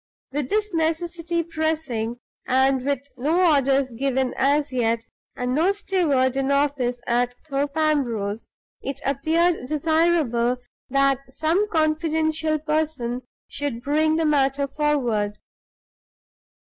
With this necessity pressing, and with no orders given as yet, and no steward in office at Thorpe Ambrose, it appeared desirable that some confidential person should bring the matter forward.